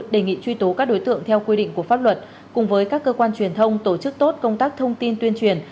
đề nghị truy tố các đối tượng theo quy định của pháp luật cùng với các cơ quan truyền thông tổ chức tốt công tác thông tin tuyên truyền